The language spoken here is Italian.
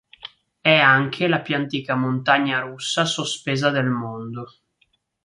È anche la più antica montagna russa sospesa del mondo.